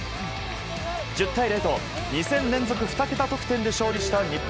１０対０と２戦連続２桁得点で勝利した日本。